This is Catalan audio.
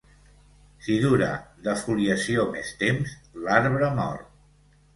Si dura defoliació més temps, l'arbre mor.